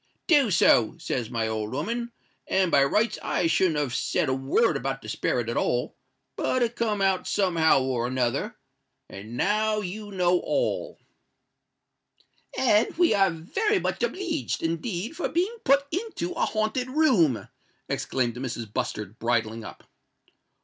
_'—'Do so,' says my old o'oman: and by rights I shouldn't have said a word about the sperret at all;—but it come out some how or another; and now you know all." "And we are very much obleeged, indeed, for being put into a haunted room," exclaimed Mrs. Bustard, bridling up.